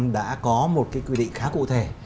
đã có một cái quy định khá cụ thể